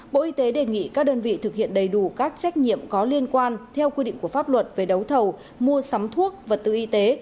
bộ y tế đề nghị các đơn vị thực hiện đầy đủ các trách nhiệm có liên quan theo quy định của pháp luật về đấu thầu mua sắm thuốc vật tư y tế